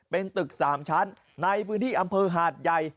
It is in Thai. เป็นตึก๓ชั้นในพื้นที่อำเภอหาดใหญ่